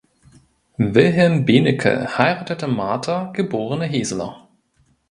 Wilhelm Benecke heiratete Martha geborene Heseler